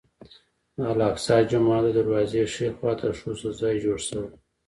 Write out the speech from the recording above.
د الاقصی جومات د دروازې ښي خوا ته ښځو ته ځای جوړ شوی.